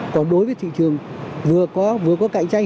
còn đối với thị trường vừa có cạnh tranh